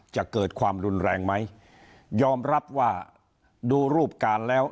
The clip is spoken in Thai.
จะเกิดความรุนแรงไหมยอมรับว่าดูรูปการณ์แล้ว